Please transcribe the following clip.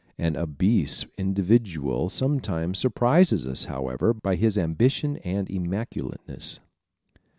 An obese individual sometimes surprises us, however, by his ambition and immaculateness.